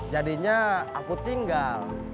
jadinya aku tinggal